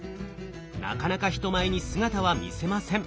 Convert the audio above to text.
なかなか人前に姿は見せません。